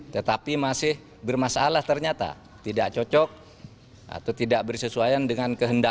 tetapi masih bermasalah ternyata tidak cocok atau tidak bersesuaian dengan kehendak